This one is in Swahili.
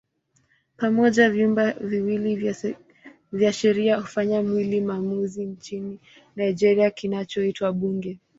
Pamoja vyumba viwili vya sheria hufanya mwili maamuzi nchini Nigeria kinachoitwa Bunge.